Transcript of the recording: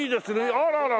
あらら。